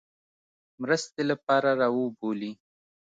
مرستې لپاره را وبولي.